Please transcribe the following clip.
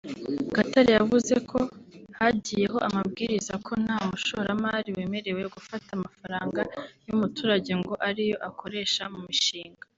Gatare yavuze ko hagiyeho amabwiriza ko nta mushoramari wemerewe gufata amafaranga y’umuturage ngo ariyo akoresha mu mushinga